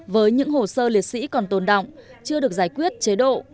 với những hồ sơ liệt sĩ còn tồn động chưa được giải quyết chế độ